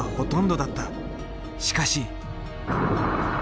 しかし。